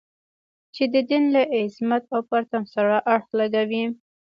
چې د دین له عظمت او پرتم سره اړخ لګوي.